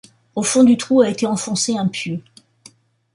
Au fond du trou a été enfoncé un pieu.